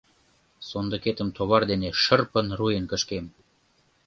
— Сондыкетым товар дене шырпын руэн кышкем!